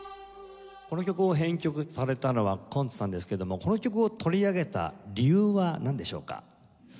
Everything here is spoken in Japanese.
この曲を編曲されたのはコンツさんですけどもこの曲を取り上げた理由はなんでしょうか？